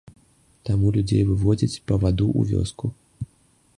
Таму людзей выводзяць па ваду ў вёску.